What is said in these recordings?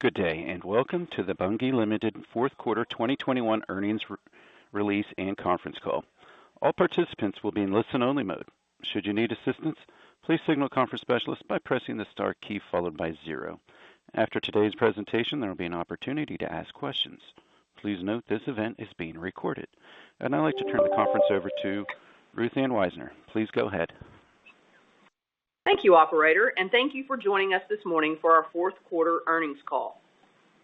Good day, and welcome to the Bunge Limited Fourth Quarter 2021 Earnings Release and Conference Call. All participants will be in listen-only mode. Should you need assistance, please signal a conference specialist by pressing the star key followed by zero. After today's presentation, there will be an opportunity to ask questions. Please note this event is being recorded. I'd like to turn the conference over to Ruth Ann Wisener. Please go ahead. Thank you, operator, and thank you for joining us this morning for our fourth quarter earnings call.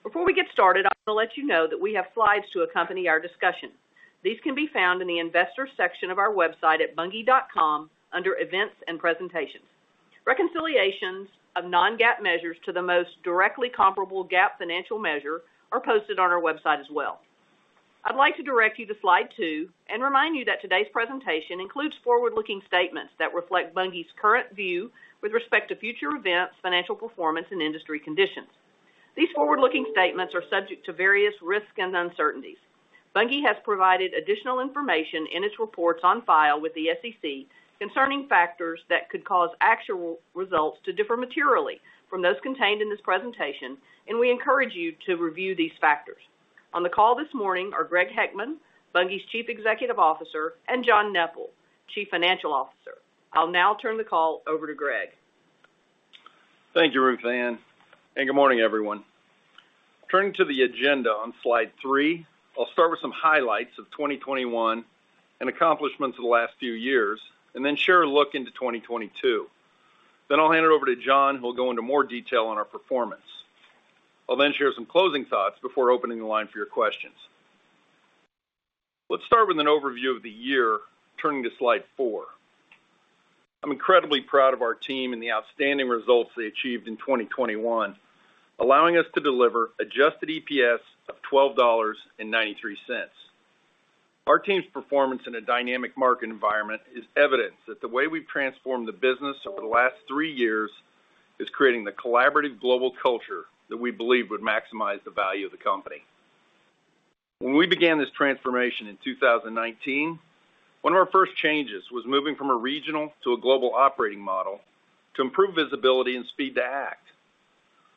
Before we get started, I want to let you know that we have slides to accompany our discussion. These can be found in the investor section of our website at bunge.com under Events and Presentations. Reconciliations of non-GAAP measures to the most directly comparable GAAP financial measure are posted on our website as well. I'd like to direct you to slide two and remind you that today's presentation includes forward-looking statements that reflect Bunge's current view with respect to future events, financial performance and industry conditions. These forward-looking statements are subject to various risks and uncertainties. Bunge has provided additional information in its reports on file with the SEC concerning factors that could cause actual results to differ materially from those contained in this presentation, and we encourage you to review these factors. On the call this morning are Greg Heckman, Bunge's Chief Executive Officer, and John Neppl, Chief Financial Officer. I'll now turn the call over to Greg. Thank you, Ruth Ann, and good morning, everyone. Turning to the agenda on slide 3, I'll start with some highlights of 2021 and accomplishments of the last few years, and then share a look into 2022. I'll hand it over to John, who will go into more detail on our performance. I'll then share some closing thoughts before opening the line for your questions. Let's start with an overview of the year, turning to slide 4. I'm incredibly proud of our team and the outstanding results they achieved in 2021, allowing us to deliver Adjusted EPS of $12.93. Our team's performance in a dynamic market environment is evidence that the way we've transformed the business over the last three years is creating the collaborative global culture that we believe would maximize the value of the company. When we began this transformation in 2019, one of our first changes was moving from a regional to a global operating model to improve visibility and speed to act.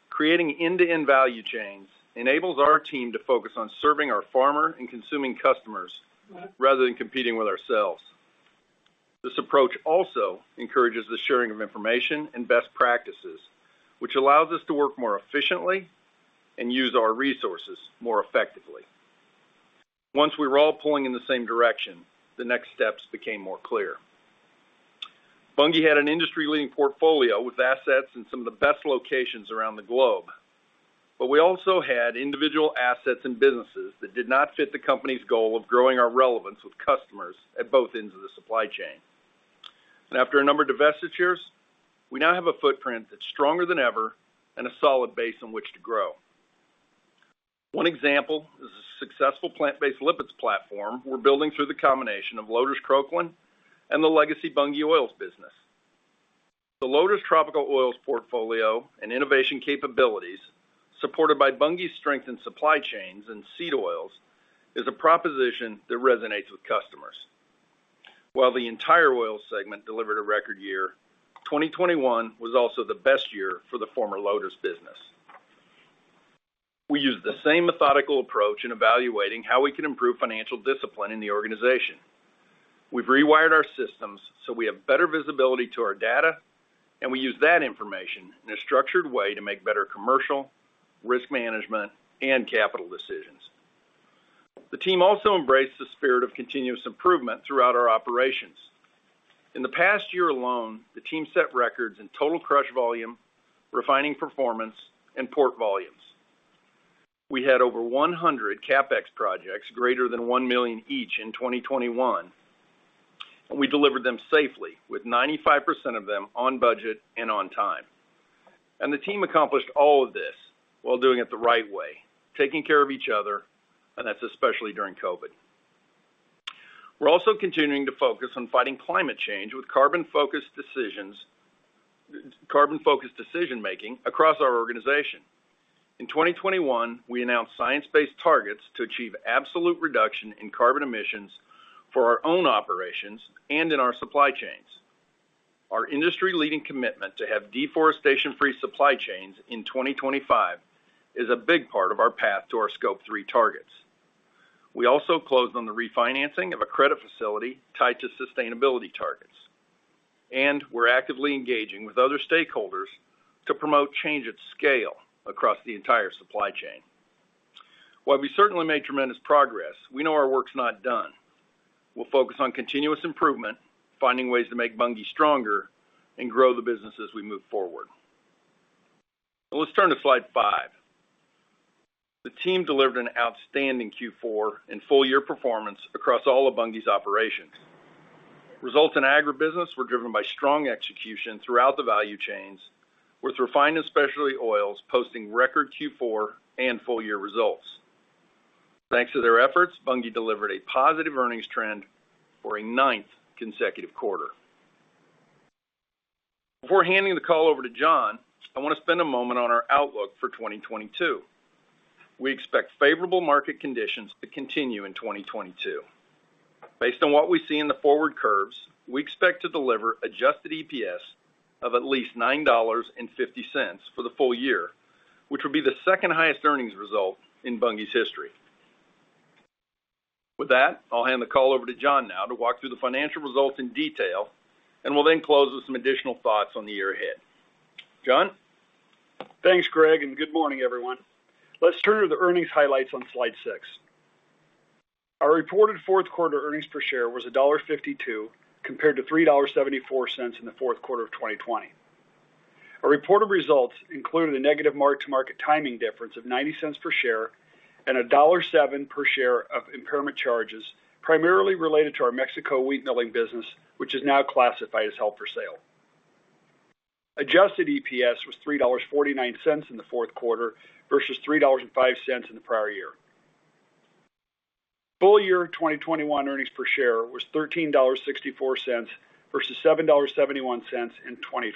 Creating end-to-end value chains enables our team to focus on serving our farmer and consuming customers rather than competing with ourselves. This approach also encourages the sharing of information and best practices, which allows us to work more efficiently and use our resources more effectively. Once we were all pulling in the same direction, the next steps became more clear. Bunge had an industry-leading portfolio with assets in some of the best locations around the globe. We also had individual assets and businesses that did not fit the company's goal of growing our relevance with customers at both ends of the supply chain. After a number of divestitures, we now have a footprint that's stronger than ever and a solid base on which to grow. One example is a successful plant-based lipids platform we're building through the combination of Loders Croklaan and the legacy Bunge Oils business. The Loders tropical oils portfolio and innovation capabilities, supported by Bunge's strength in supply chains and seed oils, is a proposition that resonates with customers. While the entire oil segment delivered a record year, 2021 was also the best year for the former Loders business. We used the same methodical approach in evaluating how we can improve financial discipline in the organization. We've rewired our systems so we have better visibility to our data, and we use that information in a structured way to make better commercial, risk management, and capital decisions. The team also embraced the spirit of continuous improvement throughout our operations. In the past year alone, the team set records in total crush volume, refining performance, and port volumes. We had over 100 CapEx projects greater than $1 million each in 2021, and we delivered them safely with 95% of them on budget and on time. The team accomplished all of this while doing it the right way, taking care of each other, and that's especially during COVID. We're also continuing to focus on fighting climate change with carbon-focused decision-making across our organization. In 2021, we announced science-based targets to achieve absolute reduction in carbon emissions for our own operations and in our supply chains. Our industry leading commitment to have deforestation-free supply chains in 2025 is a big part of our path to our Scope 3 targets. We also closed on the refinancing of a credit facility tied to sustainability targets, and we're actively engaging with other stakeholders to promote change at scale across the entire supply chain. While we certainly made tremendous progress, we know our work's not done. We'll focus on continuous improvement, finding ways to make Bunge stronger and grow the business as we move forward. Let's turn to slide 5. The team delivered an outstanding Q4 and full year performance across all of Bunge's operations. Results in agribusiness were driven by strong execution throughout the value chains, with refined and specialty oils posting record Q4 and full year results. Thanks to their efforts, Bunge delivered a positive earnings trend for a ninth consecutive quarter. Before handing the call over to John, I wanna spend a moment on our outlook for 2022. We expect favorable market conditions to continue in 2022. Based on what we see in the forward curves, we expect to deliver adjusted EPS of at least $9.50 for the full year, which will be the second highest earnings result in Bunge's history. With that, I'll hand the call over to John now to walk through the financial results in detail, and we'll then close with some additional thoughts on the year ahead. John? Thanks, Greg, and good morning, everyone. Let's turn to the earnings highlights on slide 6. Our reported fourth quarter earnings per share was $1.52, compared to $3.74 in the fourth quarter of 2020. Our reported results included a negative mark-to-market timing difference of $0.90 per share and $1.07 per share of impairment charges, primarily related to our Mexico wheat milling business, which is now classified as held for sale. Adjusted EPS was $3.49 in the fourth quarter versus $3.05 in the prior year. Full year 2021 earnings per share was $13.64 versus $7.71 in 2020.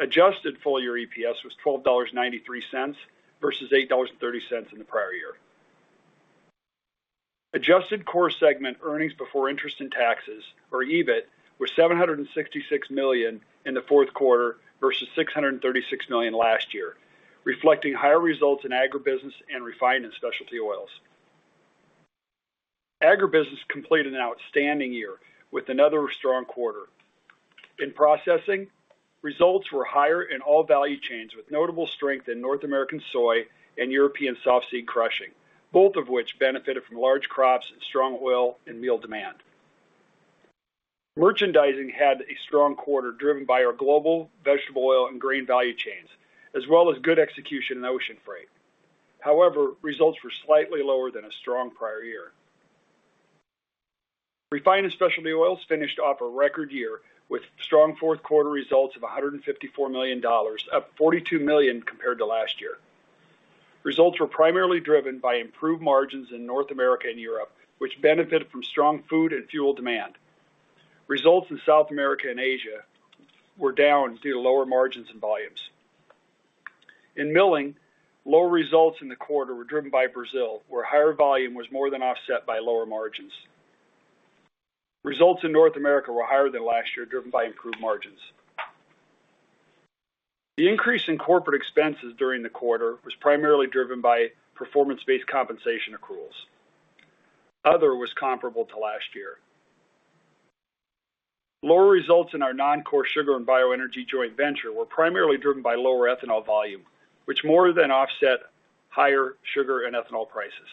Adjusted full year EPS was $12.93 versus $8.30 in the prior year. Adjusted core segment earnings before interest and taxes, or EBIT, were $766 million in the fourth quarter versus $636 million last year, reflecting higher results in agribusiness and refined and specialty oils. Agribusiness completed an outstanding year with another strong quarter. In processing, results were higher in all value chains, with notable strength in North American soy and European softseed crushing, both of which benefited from large crops and strong oil and meal demand. Merchandising had a strong quarter, driven by our global vegetable oil and grain value chains, as well as good execution in ocean freight. However, results were slightly lower than a strong prior year. Refined and specialty oils finished off a record year with strong fourth quarter results of $154 million, up $42 million compared to last year. Results were primarily driven by improved margins in North America and Europe, which benefited from strong food and fuel demand. Results in South America and Asia were down due to lower margins and volumes. In milling, lower results in the quarter were driven by Brazil, where higher volume was more than offset by lower margins. Results in North America were higher than last year, driven by improved margins. The increase in corporate expenses during the quarter was primarily driven by performance-based compensation accruals. Other was comparable to last year. Lower results in our non-core sugar and bioenergy joint venture were primarily driven by lower ethanol volume, which more than offset higher sugar and ethanol prices.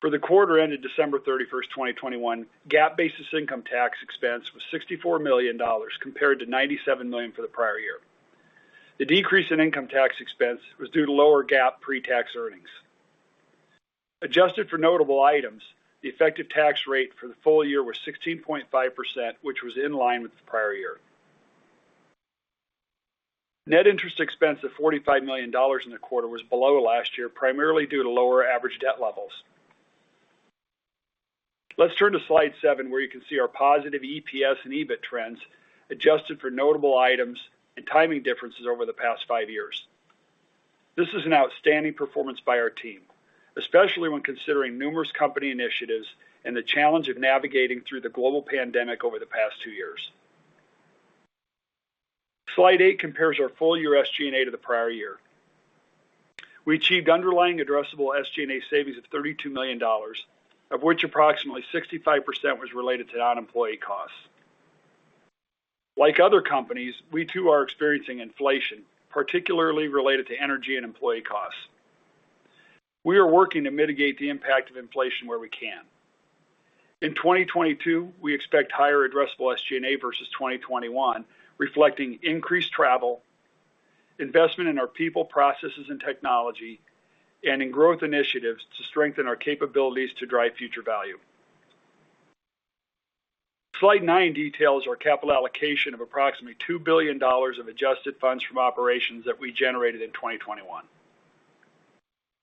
For the quarter ended December 31st, 2021, GAAP-based income tax expense was $64 million, compared to $97 million for the prior year. The decrease in income tax expense was due to lower GAAP pretax earnings. Adjusted for notable items, the effective tax rate for the full year was 16.5%, which was in line with the prior year. Net interest expense of $45 million in the quarter was below last year, primarily due to lower average debt levels. Let's turn to slide 7, where you can see our positive EPS and EBIT trends adjusted for notable items and timing differences over the past five years. This is an outstanding performance by our team, especially when considering numerous company initiatives and the challenge of navigating through the global pandemic over the past two years. Slide 8 compares our full year SG&A to the prior year. We achieved underlying Addressable SG&A savings of $32 million, of which approximately 65% was related to non-employee costs. Like other companies, we too are experiencing inflation, particularly related to energy and employee costs. We are working to mitigate the impact of inflation where we can. In 2022, we expect higher Addressable SG&A versus 2021, reflecting increased travel, investment in our people, processes, and technology, and in growth initiatives to strengthen our capabilities to drive future value. Slide 9 details our capital allocation of approximately $2 billion of adjusted funds from operations that we generated in 2021.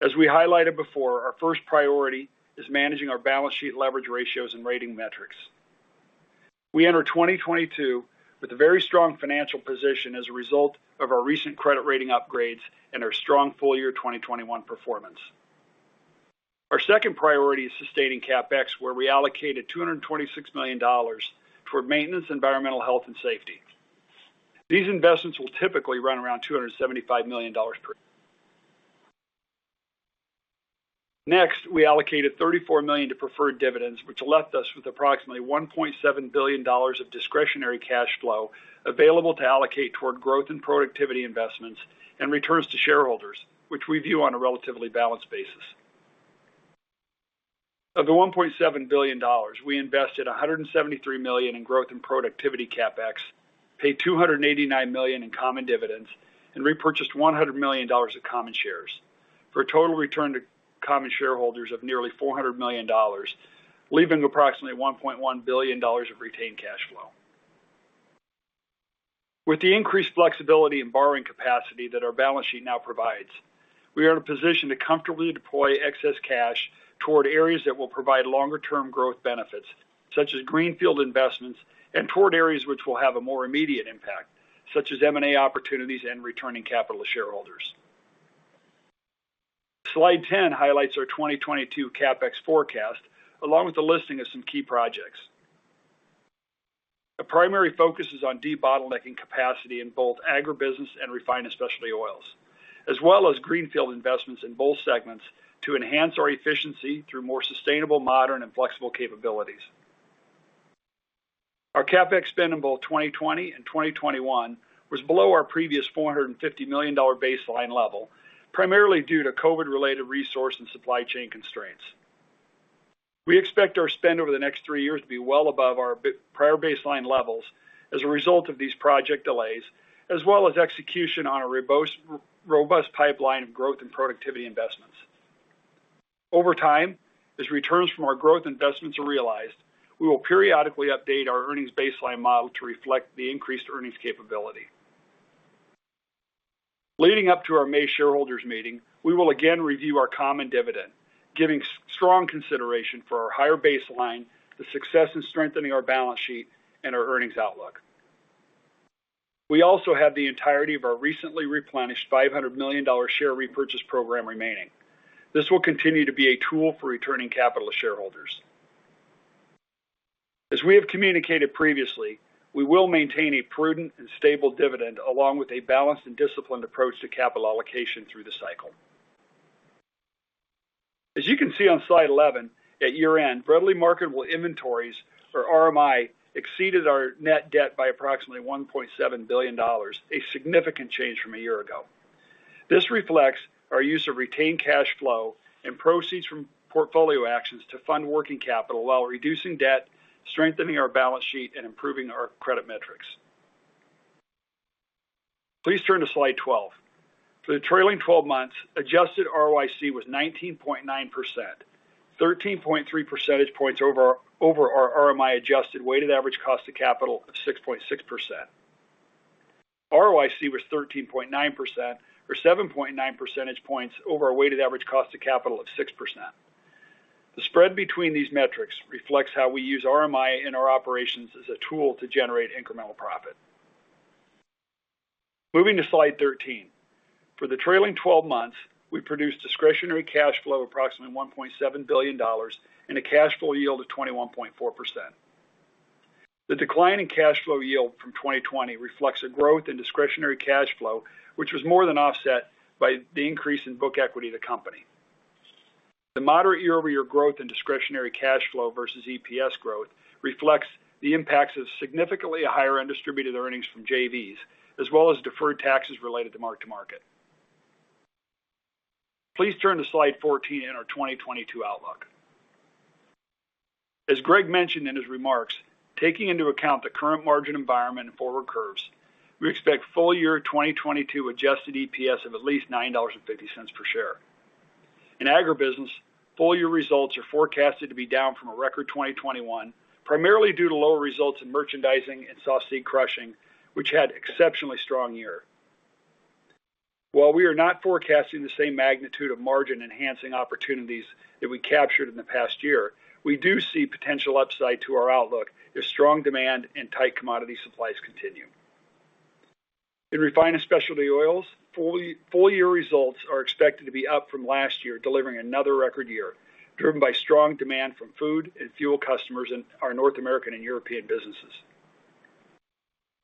As we highlighted before, our first priority is managing our balance sheet leverage ratios and rating metrics. We enter 2022 with a very strong financial position as a result of our recent credit rating upgrades and our strong full year 2021 performance. Our second priority is sustaining CapEx, where we allocated $226 million toward maintenance, environmental health, and safety. These investments will typically run around $275 million per. Next, we allocated $34 million to preferred dividends, which left us with approximately $1.7 billion of discretionary cash flow available to allocate toward growth and productivity investments and returns to shareholders, which we view on a relatively balanced basis. Of the $1.7 billion, we invested $173 million in growth and productivity CapEx, paid $289 million in common dividends, and repurchased $100 million of common shares for a total return to common shareholders of nearly $400 million, leaving approximately $1.1 billion of retained cash flow. With the increased flexibility and borrowing capacity that our balance sheet now provides. We are in a position to comfortably deploy excess cash toward areas that will provide longer-term growth benefits, such as greenfield investments and toward areas which will have a more immediate impact, such as M&A opportunities and returning capital to shareholders. Slide 10 highlights our 2022 CapEx forecast, along with the listing of some key projects. The primary focus is on debottlenecking capacity in both agribusiness and refined and specialty oils, as well as greenfield investments in both segments to enhance our efficiency through more sustainable, modern and flexible capabilities. Our CapEx spend in both 2020 and 2021 was below our previous $450 million baseline level, primarily due to COVID-related resource and supply chain constraints. We expect our spend over the next three years to be well above our prior baseline levels as a result of these project delays, as well as execution on a robust pipeline of growth and productivity investments. Over time, as returns from our growth investments are realized, we will periodically update our earnings baseline model to reflect the increased earnings capability. Leading up to our May shareholders meeting, we will again review our common dividend, giving strong consideration for our higher baseline, the success in strengthening our balance sheet and our earnings outlook. We also have the entirety of our recently replenished $500 million share repurchase program remaining. This will continue to be a tool for returning capital to shareholders. As we have communicated previously, we will maintain a prudent and stable dividend along with a balanced and disciplined approach to capital allocation through the cycle. As you can see on slide 11, at year-end, readily marketable inventories, or RMI, exceeded our net debt by approximately $1.7 billion, a significant change from a year ago. This reflects our use of retained cash flow and proceeds from portfolio actions to fund working capital while reducing debt, strengthening our balance sheet and improving our credit metrics. Please turn to slide 12. For the trailing twelve months, adjusted ROIC was 19.9%, 13.3 percentage points over our RMI-adjusted weighted average cost of capital of 6.6%. ROIC was 13.9% or 7.9 percentage points over our weighted average cost of capital of 6%. The spread between these metrics reflects how we use RMI in our operations as a tool to generate incremental profit. Moving to slide 13. For the trailing twelve months, we produced discretionary cash flow of approximately $1.7 billion and a cash flow yield of 21.4%. The decline in cash flow yield from 2020 reflects a growth in discretionary cash flow, which was more than offset by the increase in book equity of the company. The moderate year-over-year growth in discretionary cash flow versus EPS growth reflects the impacts of significantly higher undistributed earnings from JVs, as well as deferred taxes related to mark-to-market. Please turn to slide 14 in our 2022 outlook. As Greg mentioned in his remarks, taking into account the current margin environment and forward curves, we expect full-year 2022 Adjusted EPS of at least $9.50 per share. In agribusiness, full-year results are forecasted to be down from a record 2021, primarily due to lower results in merchandising and softseed crushing, which had exceptionally strong year. While we are not forecasting the same magnitude of margin-enhancing opportunities that we captured in the past year, we do see potential upside to our outlook if strong demand and tight commodity supplies continue. In refined and specialty oils, full-year results are expected to be up from last year, delivering another record year, driven by strong demand from food and fuel customers in our North American and European businesses.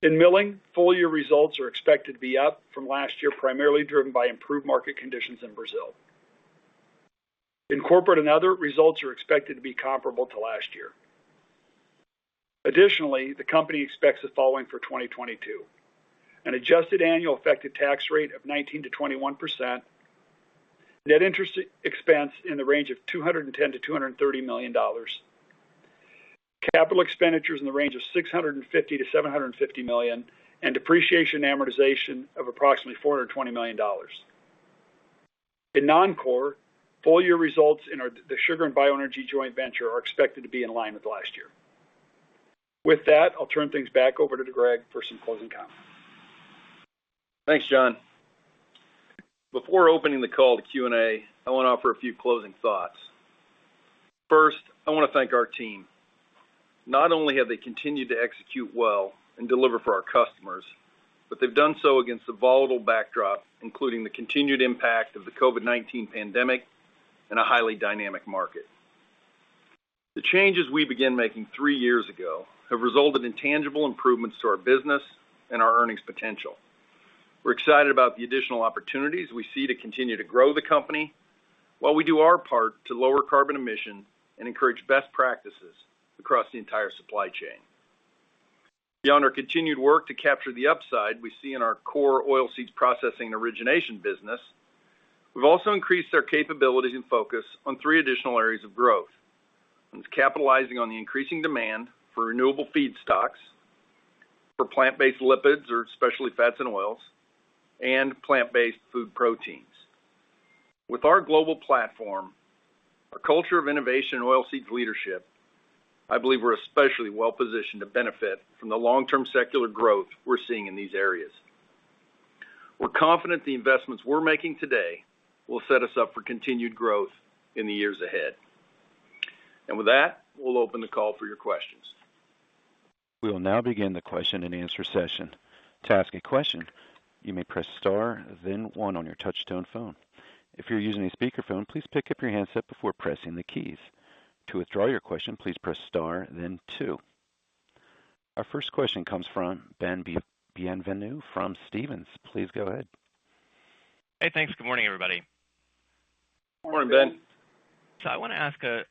In milling, full year results are expected to be up from last year, primarily driven by improved market conditions in Brazil. In corporate and other, results are expected to be comparable to last year. Additionally, the company expects the following for 2022: an adjusted annual effective tax rate of 19%-21%, net interest expense in the range of $210 million-$230 million, capital expenditures in the range of $650 million-$750 million, and depreciation and amortization of approximately $420 million. In non-core, full year results in the sugar and bioenergy joint venture are expected to be in line with last year. With that, I'll turn things back over to Greg for some closing comments. Thanks, John. Before opening the call to Q&A, I wanna offer a few closing thoughts. First, I wanna thank our team. Not only have they continued to execute well and deliver for our customers, but they've done so against a volatile backdrop, including the continued impact of the COVID-19 pandemic and a highly dynamic market. The changes we began making three years ago have resulted in tangible improvements to our business and our earnings potential. We're excited about the additional opportunities we see to continue to grow the company while we do our part to lower carbon emission and encourage best practices across the entire supply chain. Beyond our continued work to capture the upside we see in our core oilseeds processing and origination business, we've also increased our capabilities and focus on three additional areas of growth. That's capitalizing on the increasing demand for renewable feedstocks, for plant-based lipids or specialty fats and oils, and plant-based food proteins. With our global platform, our culture of innovation and oilseeds leadership, I believe we're especially well-positioned to benefit from the long-term secular growth we're seeing in these areas. We're confident the investments we're making today will set us up for continued growth in the years ahead. With that, we'll open the call for your questions. We will now begin the question-and-answer session. To ask a question, you may press star, then 1 on your touch-tone phone. If you're using a speakerphone, please pick up your handset before pressing the keys. To withdraw your question, please press star, then two. Our first question comes from Ben Bienvenu from Stephens. Please go ahead. Hey, thanks. Good morning, everybody. Good morning, Ben. I want to ask a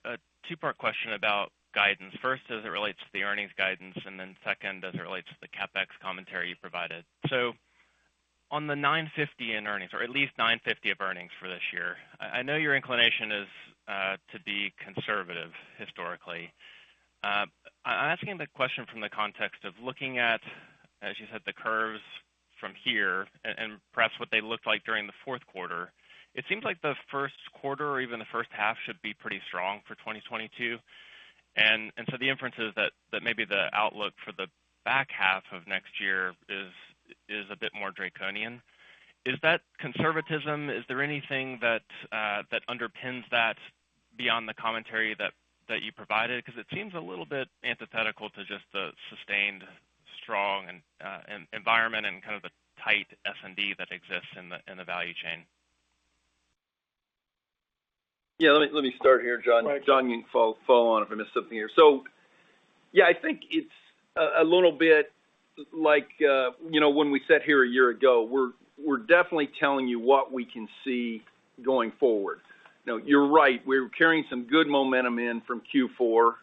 two-part question about guidance. First, as it relates to the earnings guidance, and then second, as it relates to the CapEx commentary you provided. On the $950 million in earnings or at least $950 million of earnings for this year, I know your inclination is to be conservative historically. I'm asking the question from the context of looking at, as you said, the curves from here and perhaps what they looked like during the fourth quarter. It seems like the first quarter or even the first half should be pretty strong for 2022. The inference is that maybe the outlook for the back half of next year is a bit more draconian. Is that conservatism? Is there anything that underpins that beyond the commentary that you provided? Because it seems a little bit antithetical to just the sustained strong and environment and kind of the tight S&D that exists in the value chain. Yeah, let me start here, John. Right. John, you can follow on if I missed something here. Yeah, I think it's a little bit like, you know, when we sat here a year ago. We're definitely telling you what we can see going forward. You know, you're right, we're carrying some good momentum in from Q4. You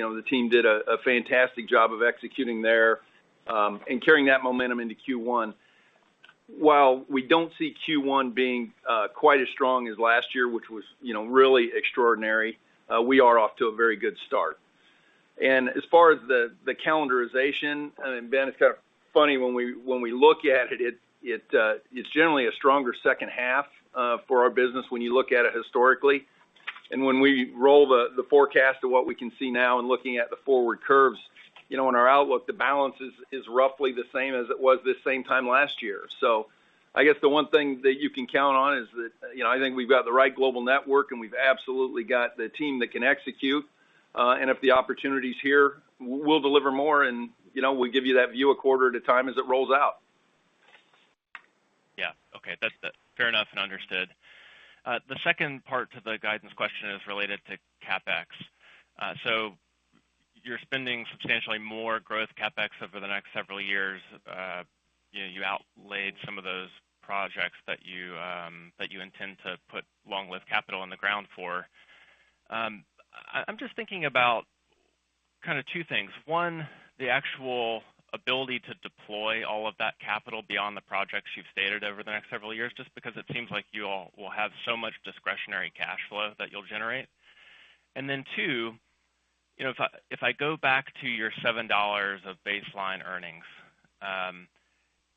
know, the team did a fantastic job of executing there, and carrying that momentum into Q1. While we don't see Q1 being quite as strong as last year, which was, you know, really extraordinary, we are off to a very good start. As far as the calendarization, and Ben, it's kind of funny when we look at it's generally a stronger second half for our business when you look at it historically. When we roll the forecast of what we can see now and looking at the forward curves, you know, in our outlook, the balance is roughly the same as it was this same time last year. I guess the one thing that you can count on is that, you know, I think we've got the right global network, and we've absolutely got the team that can execute. If the opportunity is here, we'll deliver more, and you know, we'll give you that view a quarter at a time as it rolls out. Yeah. Okay. That's fair enough and understood. The second part to the guidance question is related to CapEx. So you're spending substantially more growth CapEx over the next several years. You know, you outlaid some of those projects that you intend to put long-lived capital on the ground for. I'm just thinking about kinda two things. One, the actual ability to deploy all of that capital beyond the projects you've stated over the next several years. Just because it seems like you all will have so much discretionary cash flow that you'll generate. Then two, you know, if I go back to your $7 of baseline earnings,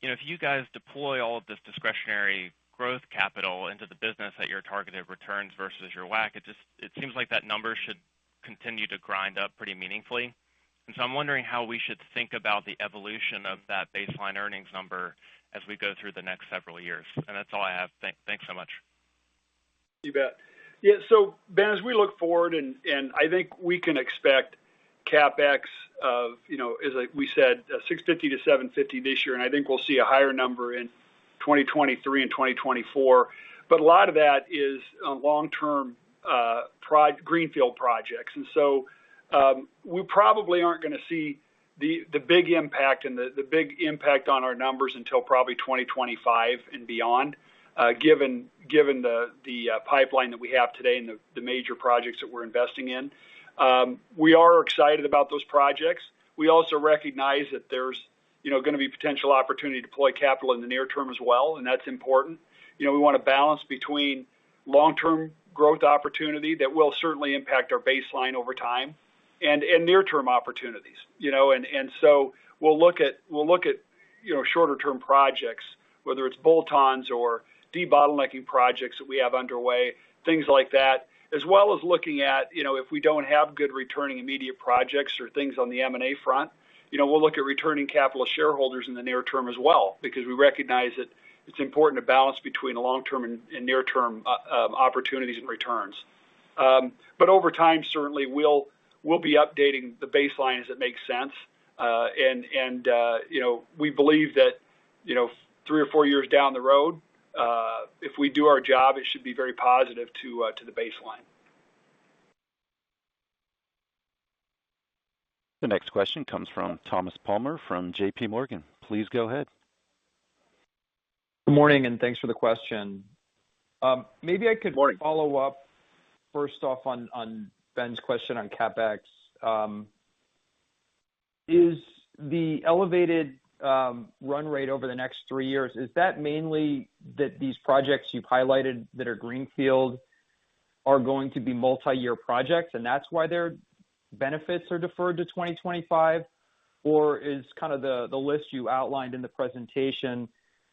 you know, if you guys deploy all of this discretionary growth capital into the business at your targeted returns versus your WACC, it just seems like that number should continue to grind up pretty meaningfully. I'm wondering how we should think about the evolution of that baseline earnings number as we go through the next several years. That's all I have. Thanks so much. You bet. Yeah, Ben, as we look forward and I think we can expect CapEx of, you know, like we said, $650-$750 this year, and I think we'll see a higher number in 2023 and 2024. A lot of that is long-term greenfield projects. We probably aren't gonna see the big impact on our numbers until probably 2025 and beyond, given the pipeline that we have today and the major projects that we're investing in. We are excited about those projects. We also recognize that there's, you know, gonna be potential opportunity to deploy capital in the near term as well, and that's important. You know, we wanna balance between long-term growth opportunity that will certainly impact our baseline over time and near-term opportunities, you know. We'll look at shorter-term projects, whether it's bolt-ons or debottlenecking projects that we have underway, things like that. As well as looking at, you know, if we don't have good returning immediate projects or things on the M&A front, you know, we'll look at returning capital to shareholders in the near term as well, because we recognize that it's important to balance between long-term and near-term opportunities and returns. Over time, certainly, we'll be updating the baseline as it makes sense. You know, we believe that, you know, three or four years down the road, if we do our job, it should be very positive to the baseline. The next question comes from Thomas Palmer from JPMorgan. Please go ahead. Good morning, and thanks for the question. Maybe I could. Good morning. Follow up first off on Ben's question on CapEx. Is the elevated run rate over the next three years, is that mainly that these projects you've highlighted that are greenfield are going to be multi-year projects, and that's why they're Benefits are deferred to 2025, or is kind of the list you outlined in the presentation,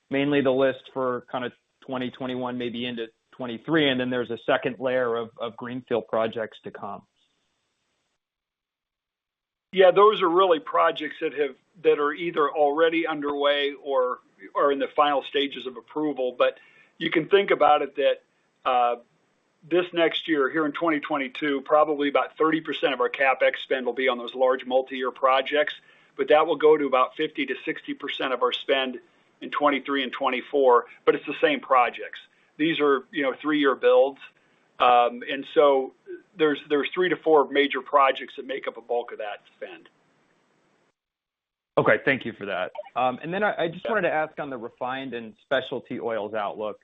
mainly the list for kind of 2021, maybe into 2023, and then there's a second layer of greenfield projects to come? Yeah. Those are really projects that are either already underway or in the final stages of approval. You can think about it that this next year here in 2022, probably about 30% of our CapEx spend will be on those large multi-year projects. That will go to about 50%-60% of our spend in 2023 and 2024, but it's the same projects. These are, you know, three-year builds. There's three to four major projects that make up a bulk of that spend. Okay. Thank you for that. I just wanted to ask on the refined and specialty oils outlook.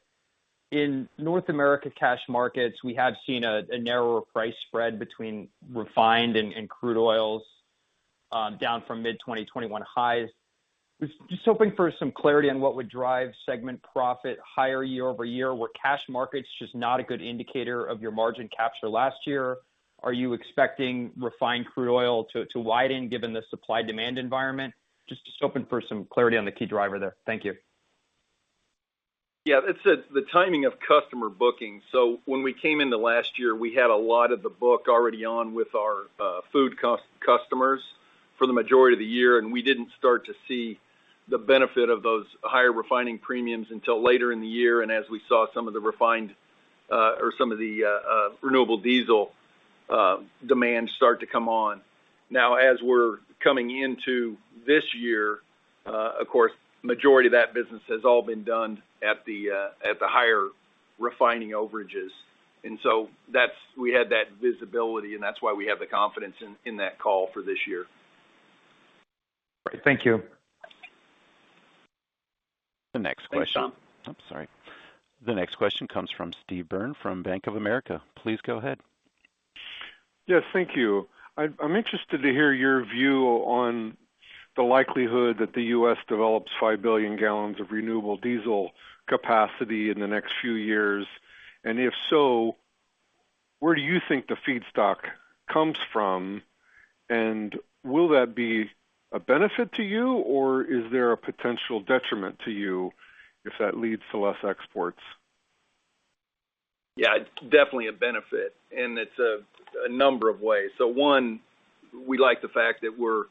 In North America cash markets, we have seen a narrower price spread between refined and crude oils, down from mid-2021 highs. Was just hoping for some clarity on what would drive segment profit higher year-over-year. Were cash markets just not a good indicator of your margin capture last year? Are you expecting refined crude oil to widen given the supply-demand environment? Just hoping for some clarity on the key driver there. Thank you. Yeah. It's the timing of customer bookings. When we came into last year, we had a lot of the book already on with our food customers for the majority of the year, and we didn't start to see the benefit of those higher refining premiums until later in the year and as we saw some of the refined or some of the renewable diesel demand start to come on. Now, as we're coming into this year, of course, majority of that business has all been done at the higher refining overages. That's. We had that visibility, and that's why we have the confidence in that call for this year. Great. Thank you. The next question. Thanks, Tom. I'm sorry. The next question comes from Steve Byrne from Bank of America. Please go ahead. Yes. Thank you. I'm interested to hear your view on the likelihood that the U.S. develops 5 billion gallons of renewable diesel capacity in the next few years. If so, where do you think the feedstock comes from? Will that be a benefit to you, or is there a potential detriment to you if that leads to less exports? Yeah. It's definitely a benefit, and it's in a number of ways. One, we like the fact that we're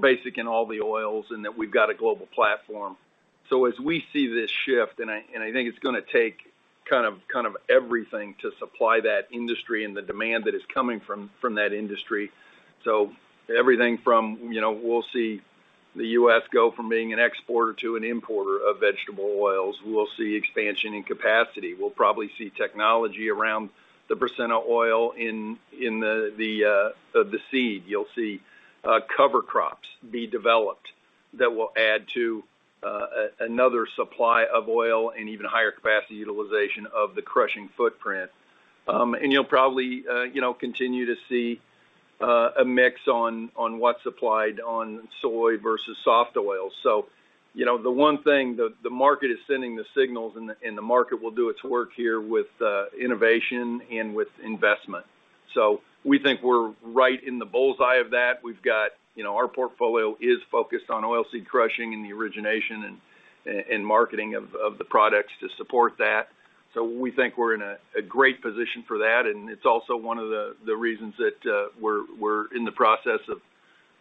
based in all the oils and that we've got a global platform. As we see this shift, and I think it's gonna take kind of everything to supply that industry and the demand that is coming from that industry. Everything from, you know, we'll see the U.S. go from being an exporter to an importer of vegetable oils. We'll see expansion in capacity. We'll probably see technology around the percent of oil in the seed. You'll see cover crops be developed that will add to another supply of oil and even higher capacity utilization of the crushing footprint. You'll probably, you know, continue to see a mix on what's supplied on soy versus soft oils. You know, the one thing the market is sending the signals, and the market will do its work here with innovation and with investment. So we think we're right in the bull's eye of that. We've got, you know, our portfolio is focused on oilseed crushing and the origination and marketing of the products to support that. So we think we're in a great position for that, and it's also one of the reasons that we're in the process of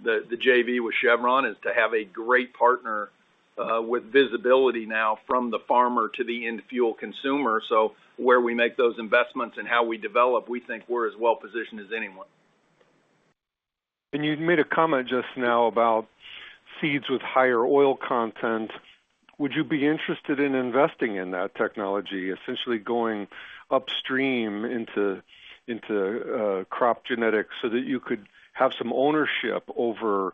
the JV with Chevron, is to have a great partner with visibility now from the farmer to the end fuel consumer. Where we make those investments and how we develop, we think we're as well positioned as anyone. You'd made a comment just now about seeds with higher oil content. Would you be interested in investing in that technology, essentially going upstream into crop genetics so that you could have some ownership over that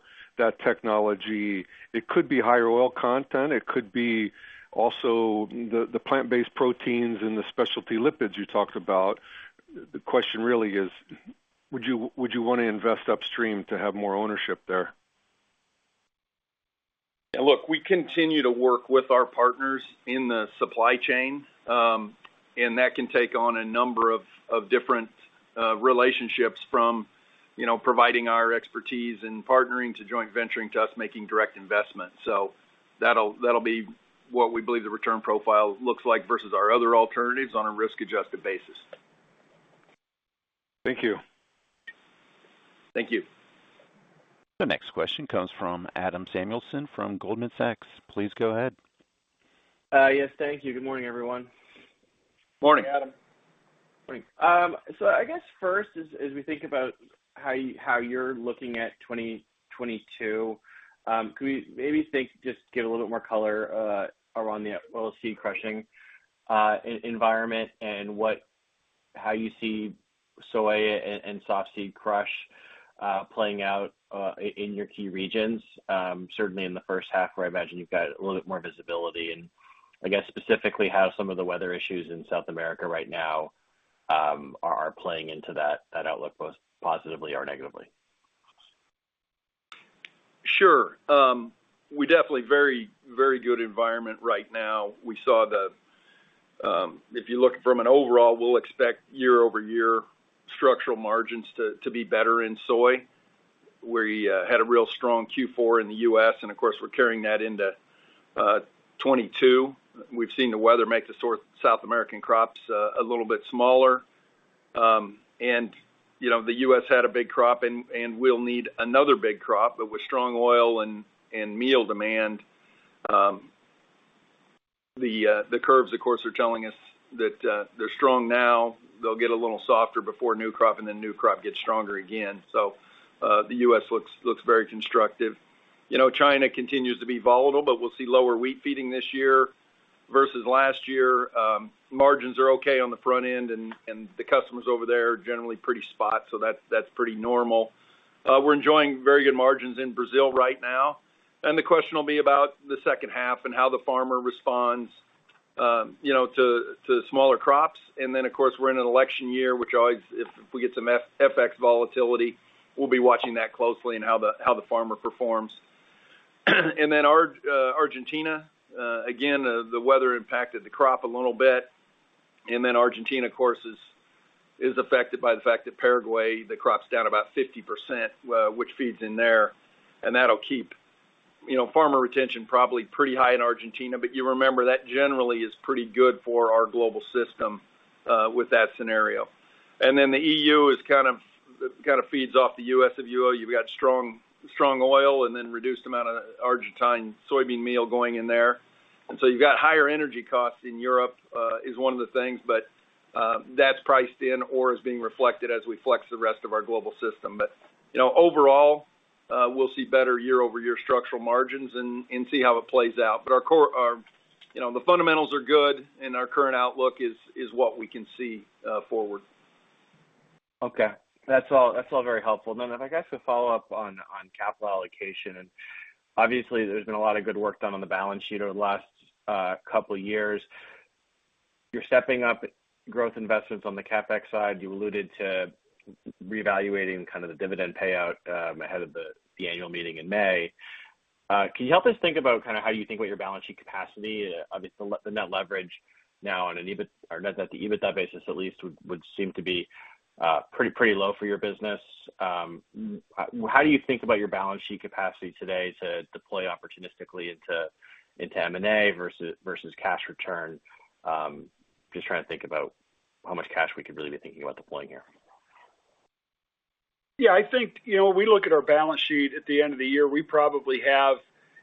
technology? It could be higher oil content. It could be also the plant-based proteins and the specialty lipids you talked about. The question really is, would you wanna invest upstream to have more ownership there? Look, we continue to work with our partners in the supply chain, and that can take on a number of different relationships from, you know, providing our expertise in partnering to joint venturing to us making direct investments. So that'll be what we believe the return profile looks like versus our other alternatives on a risk-adjusted basis. Thank you. Thank you. The next question comes from Adam Samuelson from Goldman Sachs. Please go ahead. Yes. Thank you. Good morning, everyone. Morning, Adam. Morning. So I guess first as we think about how you're looking at 2022, can we maybe think just to get a little bit more color around the oilseed crushing environment and how you see soy and softseed crush playing out in your key regions, certainly in the first half where I imagine you've got a little bit more visibility. I guess specifically how some of the weather issues in South America right now are playing into that outlook, both positively or negatively? Sure. We definitely very good environment right now. We saw the. If you look from an overall, we'll expect year-over-year structural margins to be better in soy. We had a real strong Q4 in the U.S., and of course, we're carrying that into 2022. We've seen the weather make the South American crops a little bit smaller. And, you know, the U.S. had a big crop and we'll need another big crop. But with strong oil and meal demand, the curves, of course, are telling us that they're strong now. They'll get a little softer before new crop, and then new crop gets stronger again. The U.S. looks very constructive. You know, China continues to be volatile, but we'll see lower wheat feeding this year versus last year. Margins are okay on the front end, and the customers over there are generally pretty spot, so that's pretty normal. We're enjoying very good margins in Brazil right now. The question will be about the second half and how the farmer responds, you know, to smaller crops. Of course, we're in an election year, which always, if we get some FX volatility, we'll be watching that closely and how the farmer performs. Argentina, again, the weather impacted the crop a little bit. Argentina, of course, is affected by the fact that Paraguay, the crop's down about 50%, which feeds in there. That'll keep, you know, farmer retention probably pretty high in Argentina. You remember that generally is pretty good for our global system with that scenario. The EU is kind of feeds off the US. You've got strong oil and then reduced amount of Argentine soybean meal going in there. So you've got higher energy costs in Europe is one of the things. That's priced in or is being reflected as we flex the rest of our global system. You know, overall, we'll see better year-over-year structural margins and see how it plays out. Our core, you know, the fundamentals are good, and our current outlook is what we can see forward. Okay. That's all very helpful. Then if I could ask a follow-up on capital allocation. Obviously, there's been a lot of good work done on the balance sheet over the last couple years. You're stepping up growth investments on the CapEx side. You alluded to reevaluating kind of the dividend payout ahead of the annual meeting in May. Can you help us think about kind of how you think about your balance sheet capacity? Obviously, the net leverage now on an EBIT or at the EBITDA basis at least would seem to be pretty low for your business. How do you think about your balance sheet capacity today to deploy opportunistically into M&A versus cash return? Just trying to think about how much cash we could really be thinking about deploying here. Yeah, I think, you know, we look at our balance sheet at the end of the year. We probably have,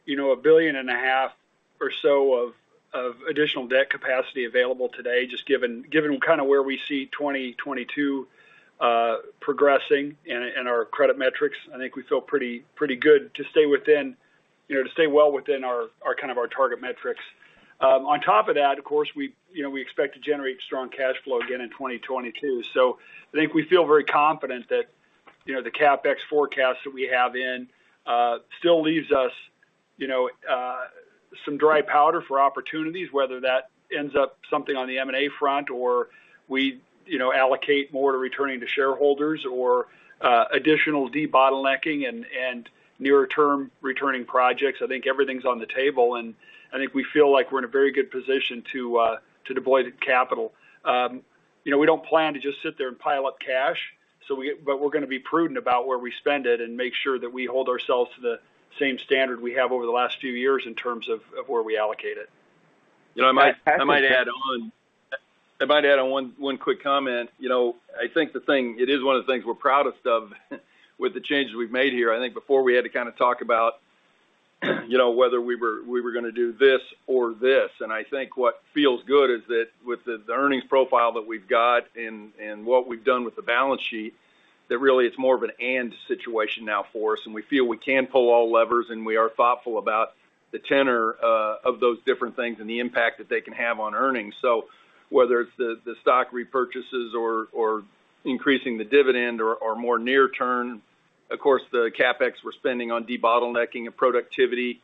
you know, $1.5 billion or so of additional debt capacity available today, just given kind of where we see 2022 progressing and our credit metrics. I think we feel pretty good to stay within, you know, to stay well within our kind of our target metrics. On top of that, of course, we, you know, we expect to generate strong cash flow again in 2022. I think we feel very confident that, you know, the CapEx forecast that we have in still leaves us, you know, some dry powder for opportunities, whether that ends up something on the M&A front or we, you know, allocate more to returning to shareholders or additional debottlenecking and nearer-term returning projects. I think everything's on the table, and I think we feel like we're in a very good position to deploy the capital. You know, we don't plan to just sit there and pile up cash, but we're gonna be prudent about where we spend it and make sure that we hold ourselves to the same standard we have over the last few years in terms of where we allocate it. You know, I might add on one quick comment. You know, I think the thing is one of the things we're proudest of with the changes we've made here. I think before we had to kind of talk about, you know, whether we were gonna do this or this. I think what feels good is that with the earnings profile that we've got and what we've done with the balance sheet, that really it's more of an and situation now for us, and we feel we can pull all levers, and we are thoughtful about the tenor of those different things and the impact that they can have on earnings. Whether it's the stock repurchases or increasing the dividend or more near-term. Of course, the CapEx we're spending on debottlenecking and productivity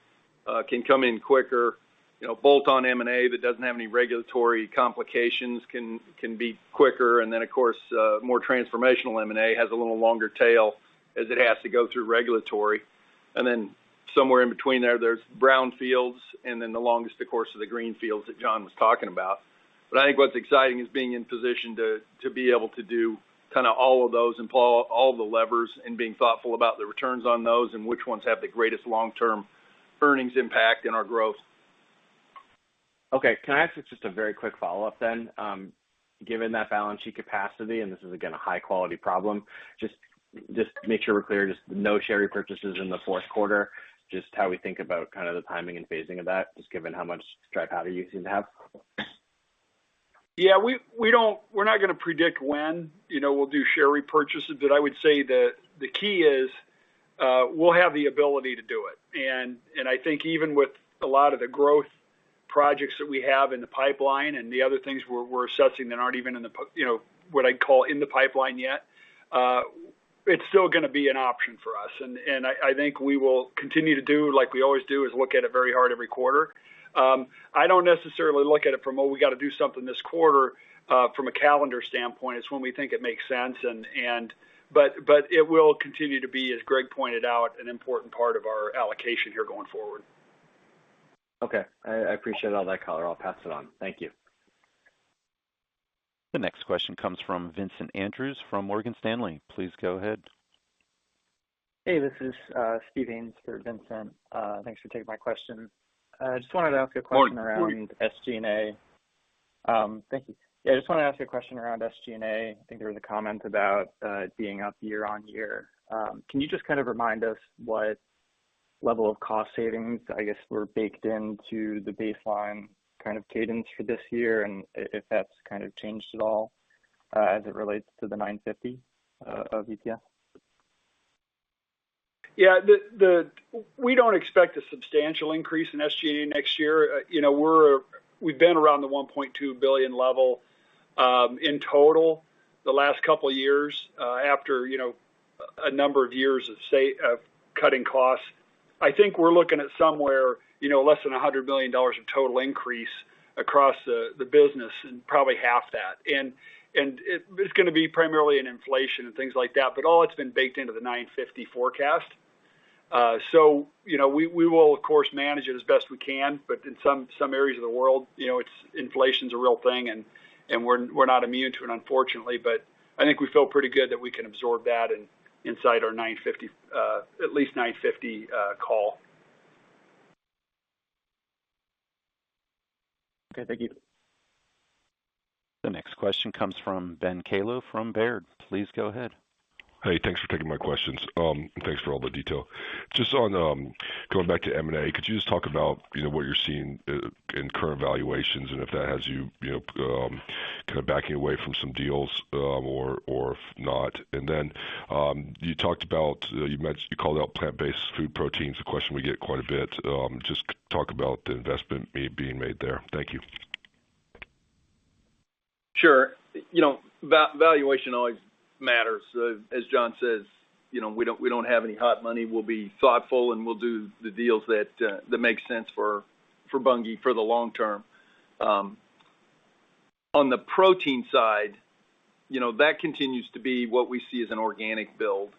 can come in quicker. You know, bolt-on M&A that doesn't have any regulatory complications can be quicker. Of course, more transformational M&A has a little longer tail as it has to go through regulatory. Somewhere in between there's brownfields, and then the longest, of course, are the greenfields that John was talking about. I think what's exciting is being in position to be able to do kind of all of those and pull all the levers and being thoughtful about the returns on those and which ones have the greatest long-term earnings impact in our growth. Okay. Can I ask just a very quick follow-up then? Given that balance sheet capacity, and this is again, a high-quality problem, just make sure we're clear, just no share repurchases in the fourth quarter, just how we think about kind of the timing and phasing of that, just given how much dry powder you seem to have. Yeah, we're not gonna predict when, you know, we'll do share repurchases. I would say that the key is, we'll have the ability to do it. I think even with a lot of the growth projects that we have in the pipeline and the other things we're assessing that aren't even in, you know, what I'd call the pipeline yet, it's still gonna be an option for us. I think we will continue to do like we always do, is look at it very hard every quarter. I don't necessarily look at it from, oh, we got to do something this quarter, from a calendar standpoint. It's when we think it makes sense. It will continue to be, as Greg pointed out, an important part of our allocation here going forward. Okay. I appreciate all that color. I'll pass it on. Thank you. The next question comes from Vincent Andrews from Morgan Stanley. Please go ahead. Hey, this is Steve Haynes for Vincent. Thanks for taking my question. Just wanted to ask you a question around SG&A. I think there was a comment about it being up year-over-year. Can you just kind of remind us what level of cost savings, I guess, were baked into the baseline kind of cadence for this year, and if that's kind of changed at all, as it relates to the $9.50 of EPS? We don't expect a substantial increase in SG&A next year. You know, we've been around the $1.2 billion level in total the last couple years after, you know, a number of years of cutting costs. I think we're looking at somewhere, you know, less than $100 million of total increase across the business and probably half that. It's gonna be primarily in inflation and things like that, but all that's been baked into the $9.50 forecast. You know, we will of course manage it as best we can. In some areas of the world, you know, inflation's a real thing, and we're not immune to it, unfortunately. I think we feel pretty good that we can absorb that in our $9.50, at least $9.50, call. Okay. Thank you. The next question comes from Ben Kallo from Baird. Please go ahead. Hey, thanks for taking my questions. And thanks for all the detail. Just on going back to M&A, could you just talk about, you know, what you're seeing in current valuations and if that has you know, kind of backing away from some deals, or if not. You talked about, you mentioned you called out plant-based food proteins, a question we get quite a bit. Just talk about the investment being made there. Thank you. Sure. You know, valuation always matters. As John says, you know, we don't have any hot money. We'll be thoughtful, and we'll do the deals that make sense for Bunge for the long term. On the protein side, you know, that continues to be what we see as an organic build.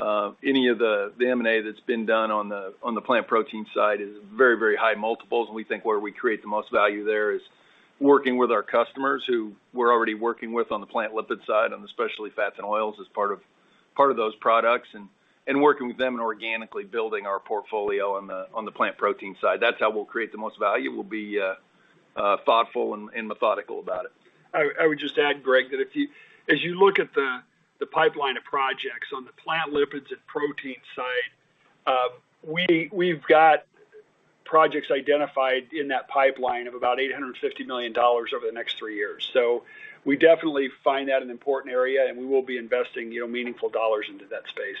Any of the M&A that's been done on the plant protein side is very high multiples. We think where we create the most value there is working with our customers who we're already working with on the plant lipid side, on the specialty fats and oils as part of those products, working with them and organically building our portfolio on the plant protein side. That's how we'll create the most value. We'll be thoughtful and methodical about it. I would just add, Greg, that as you look at the pipeline of projects on the plant lipids and protein side, we've got projects identified in that pipeline of about $850 million over the next three years. We definitely find that an important area, and we will be investing, you know, meaningful dollars into that space.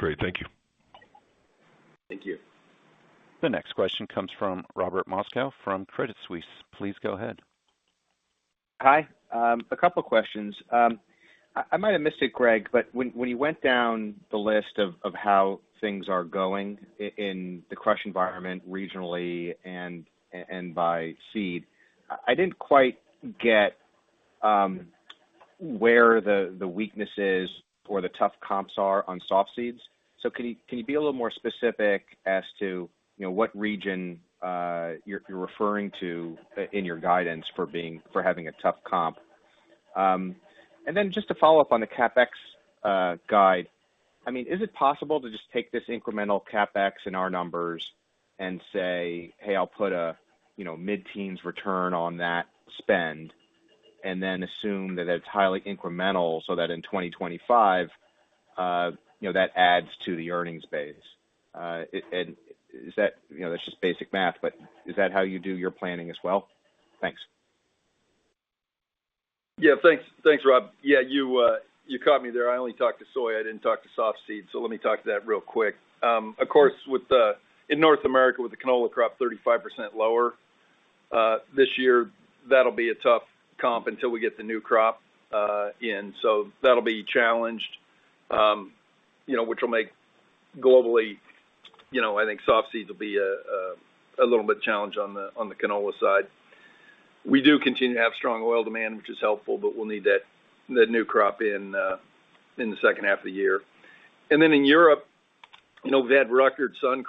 Great. Thank you. Thank you. The next question comes from Robert Moskow from Credit Suisse. Please go ahead. Hi. A couple questions. I might have missed it, Greg, but when you went down the list of how things are going in the crush environment regionally and by seed, I didn't quite get where the weakness is or the tough comps are on softseeds. Can you be a little more specific as to, you know, what region you're referring to in your guidance for having a tough comp? Then just to follow up on the CapEx guide, I mean, is it possible to just take this incremental CapEx in our numbers and say, "Hey, I'll put a, you know, mid-teens return on that spend," and then assume that it's highly incremental so that in 2025, you know, that adds to the earnings base? Is that? You know, that's just basic math, but is that how you do your planning as well? Thanks. Yeah. Thanks. Thanks, Rob. Yeah, you caught me there. I only talked to soy. I didn't talk to softseed. Let me talk to that real quick. Of course, in North America, with the canola crop 35% lower this year, that'll be a tough comp until we get the new crop in. That'll be challenged, you know, which will make globally, you know, I think softseeds will be a little bit challenged on the canola side. We do continue to have strong oil demand, which is helpful, but we'll need that new crop in the second half of the year. Then in Europe, you know, we've had record sunflower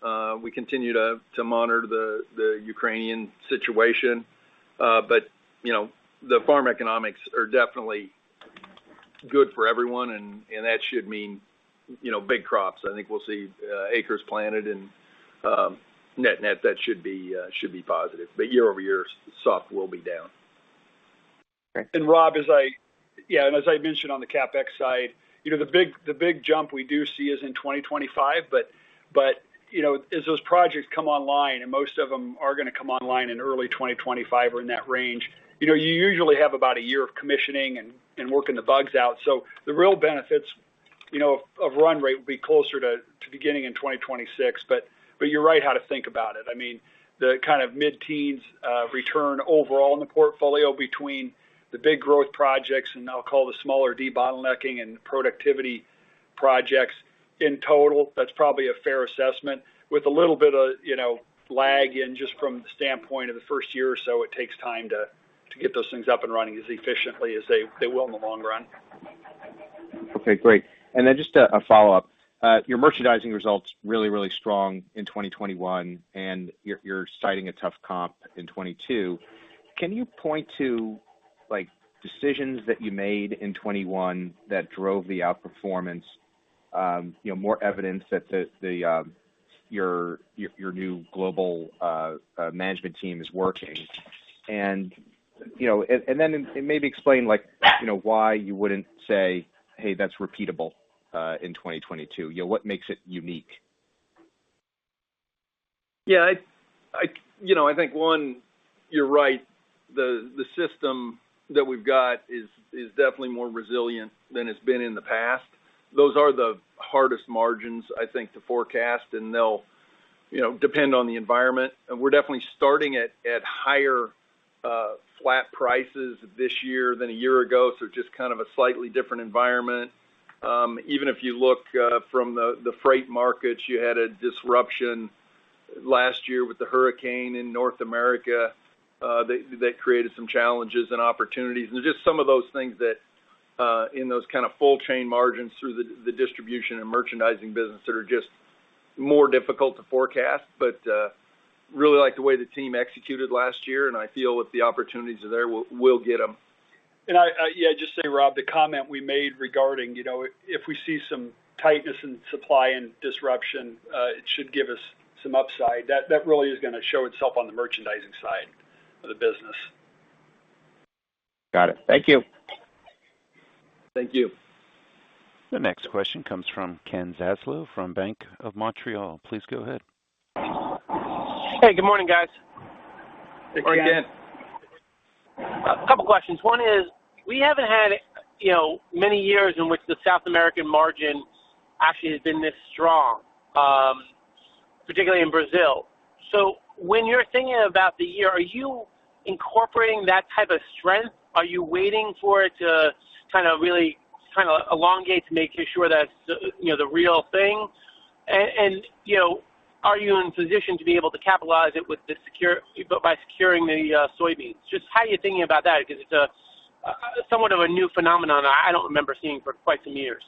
crops. We continue to monitor the Ukrainian situation. You know, the farm economics are definitely good for everyone, and that should mean, you know, big crops. I think we'll see acres planted and, net-net, that should be positive. Year-over-year, soft will be down. Great. Rob, as I mentioned on the CapEx side, you know, the big jump we do see is in 2025, but, you know, as those projects come online, and most of them are gonna come online in early 2025 or in that range, you know, you usually have about a year of commissioning and working the bugs out. The real benefits, you know, of run rate will be closer to beginning in 2026. You're right how to think about it. I mean, the kind of mid-teens return overall in the portfolio between the big growth projects and I'll call the smaller debottlenecking and productivity projects, in total, that's probably a fair assessment. With a little bit of, you know, lag in just from the standpoint of the first year or so, it takes time to get those things up and running as efficiently as they will in the long run. Okay, great. Then just a follow-up. Your merchandising results really strong in 2021 and you're citing a tough comp in 2022. Can you point to, like, decisions that you made in 2021 that drove the outperformance? You know, more evidence that your new global management team is working. You know, then maybe explain like, you know, why you wouldn't say, "Hey, that's repeatable in 2022." You know, what makes it unique? You know, I think one, you're right. The system that we've got is definitely more resilient than it's been in the past. Those are the hardest margins, I think, to forecast, and they'll, you know, depend on the environment. We're definitely starting at higher flat prices this year than a year ago, so just kind of a slightly different environment. Even if you look from the freight markets, you had a disruption last year with the hurricane in North America that created some challenges and opportunities. Just some of those things in those kind of full chain margins through the distribution and merchandising business that are just more difficult to forecast. I really like the way the team executed last year, and I feel if the opportunities are there, we'll get them. Yeah, just to say, Rob, the comment we made regarding, you know, if we see some tightness in supply and disruption, it should give us some upside. That really is gonna show itself on the merchandising side of the business. Got it. Thank you. Thank you. The next question comes from Ken Zaslow, from Bank of Montreal. Please go ahead. Hey, good morning, guys. Good morning, Ken. Morning. A couple of questions. One is, we haven't had, you know, many years in which the South American margin actually has been this strong, particularly in Brazil. So when you're thinking about the year, are you incorporating that type of strength? Are you waiting for it to kind of really, kind of elongate to making sure that's the, you know, the real thing? And, you know, are you in position to be able to capitalize it by securing the soybeans? Just how are you thinking about that? Because it's somewhat of a new phenomenon I don't remember seeing for quite some years.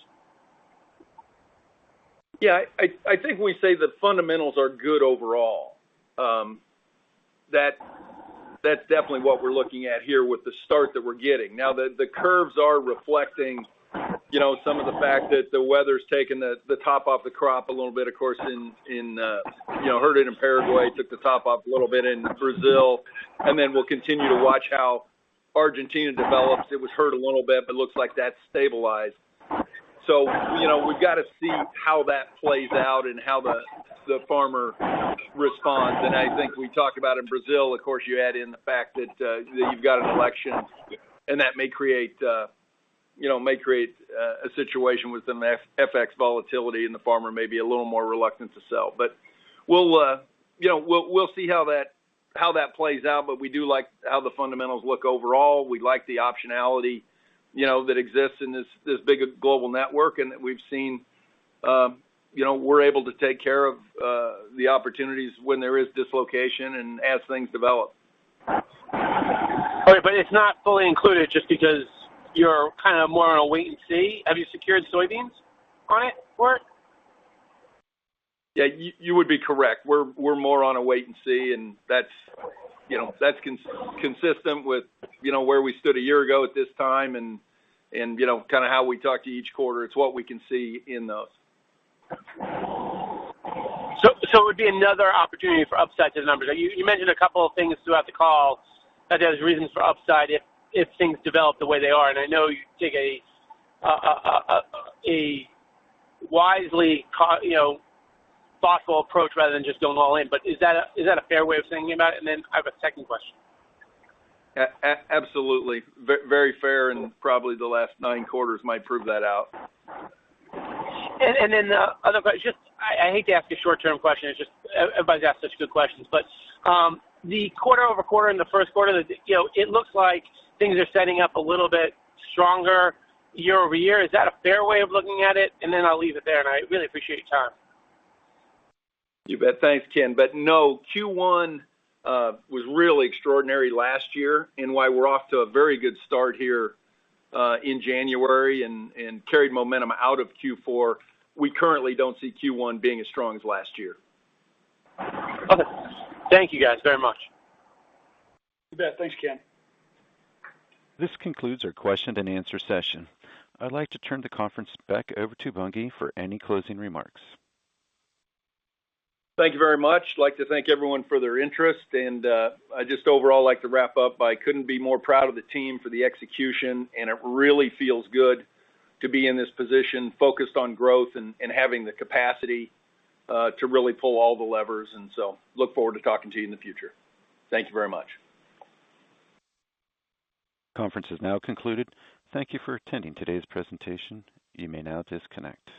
Yeah. I think when we say the fundamentals are good overall, that's definitely what we're looking at here with the start that we're getting. Now the curves are reflecting some of the fact that the weather's taking the top off the crop a little bit, of course, hurt it in Paraguay, took the top off a little bit in Brazil. Then we'll continue to watch how Argentina develops. It was hurt a little bit, but looks like that's stabilized. So we've got to see how that plays out and how the farmer responds. I think we talked about in Brazil. Of course, you add in the fact that you've got an election, and that may create a situation with some FX volatility, and the farmer may be a little more reluctant to sell. We'll see how that plays out, but we do like how the fundamentals look overall. We like the optionality, you know, that exists in this big a global network, and that we've seen, you know, we're able to take care of the opportunities when there is dislocation and as things develop. All right, but it's not fully included just because you're kind of more on a wait and see. Have you secured soybeans on it, or? Yeah, you would be correct. We're more on a wait and see, and that's, you know, consistent with, you know, where we stood a year ago at this time and, you know, kind of how we talk to each quarter. It's what we can see in those. it would be another opportunity for upside to the numbers. You mentioned a couple of things throughout the call that there's reasons for upside if things develop the way they are. I know you take a wise, you know, thoughtful approach rather than just going all in, but is that a fair way of thinking about it? I have a second question. Absolutely. Very fair, and probably the last nine quarters might prove that out. Just I hate to ask a short-term question. It's just everybody's asked such good questions. The quarter-over-quarter in the first quarter, you know, it looks like things are setting up a little bit stronger year-over-year. Is that a fair way of looking at it? Then I'll leave it there, and I really appreciate your time. You bet. Thanks, Ken. No, Q1 was really extraordinary last year. While we're off to a very good start here in January and carried momentum out of Q4, we currently don't see Q1 being as strong as last year. Okay. Thank you guys very much. You bet. Thanks, Ken. This concludes our question and answer session. I'd like to turn the conference back over to Bunge for any closing remarks. Thank you very much. I'd like to thank everyone for their interest, and I just overall like to wrap up. I couldn't be more proud of the team for the execution, and it really feels good to be in this position focused on growth and having the capacity to really pull all the levers, and so look forward to talking to you in the future. Thank you very much. Conference is now concluded. Thank you for attending today's presentation. You may now disconnect.